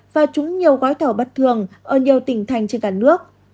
và trúng nhiều gói thầu bất thường ở nhiều tỉnh thành trên cả nước